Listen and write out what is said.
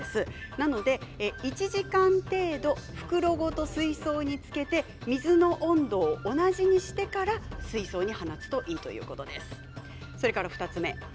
なので１時間程度袋ごと水槽につけて水の温度を同じにしてから水槽に放つといいということです。